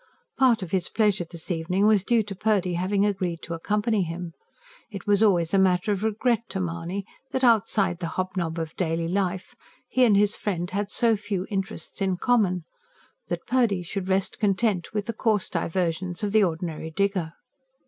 Part of his pleasure this evening was due to Purdy having agreed to accompany him. It was always a matter of regret to Mahony that, outside the hobnob of daily life, he and his friend had so few interests in common; that Purdy should rest content with the coarse diversions of the ordinary digger.